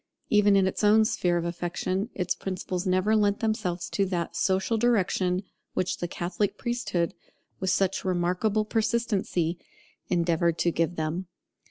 Even in its own sphere of affection, its principles never lent themselves to that social direction which the Catholic priesthood, with such remarkable persistency, endeavoured to give to them.